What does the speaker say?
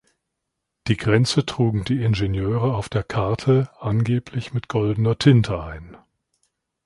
Die Grenze trugen die Ingenieure auf der Karte angeblich mit goldener Tinte ein.